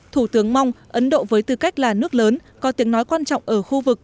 thủ tướng mong ấn độ với tư cách là nước lớn có tiếng nói quan trọng ở khu vực